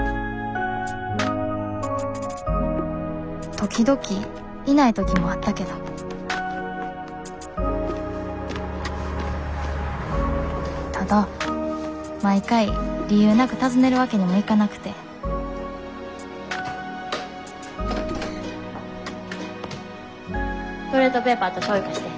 時々いない時もあったけどただ毎回理由なく訪ねるわけにもいかなくてトイレットペーパーとしょうゆ貸して。